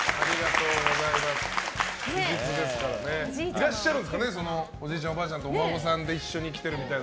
いらっしゃるんですかねおじいちゃん、おばあちゃんとお孫さんで一緒に来てるみたいな。